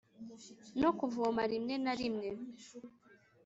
no kuvoma rimwe na rimwe.